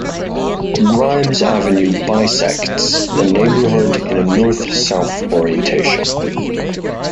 Grimes Avenue bisects the neighborhood in a North-South orientation.